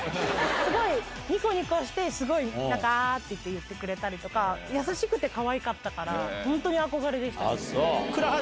すごい、にこにこして、すごいなんか、言ってくれたりとか、優しくてかわいかったから、本当に憧れでしたね。